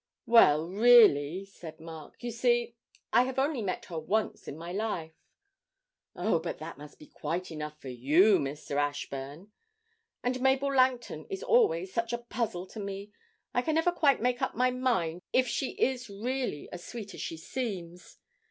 'Well, really,' said Mark, 'you see, I have only met her once in my life.' 'Oh, but that must be quite enough for you, Mr. Ashburn! And Mabel Langton is always such a puzzle to me. I never can quite make up my mind if she is really as sweet as she seems.